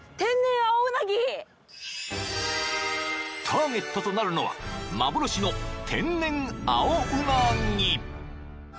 ［ターゲットとなるのは幻の天然青うなぎ］